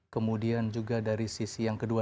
kemudian juga dari sisi yang kedua